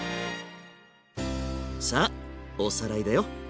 さあおさらいだよ。